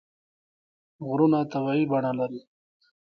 غرونه طبیعي بڼه لري.